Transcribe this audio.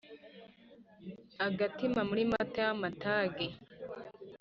agatima muri mata y’amatage.